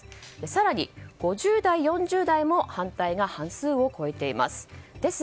更に５０代、４０代も反対が半数を超えています。